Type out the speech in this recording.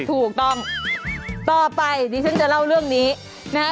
ถูกต้องต่อไปดิฉันจะเล่าเรื่องนี้นะฮะ